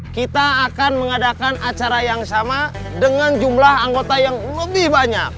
kita akan mengadakan acara yang sama dengan jumlah anggota yang lebih banyak